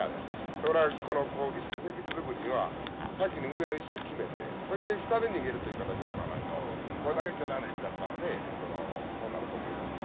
ところがこの石室作りには先に上の石を決めてそして下で逃げるという形を取らないとこれだけ巨大な石だったらねそうなると思いますよ。